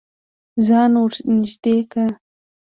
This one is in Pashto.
ځان ور نږدې که.